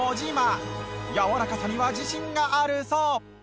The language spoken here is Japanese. やわらかさには自信があるそう。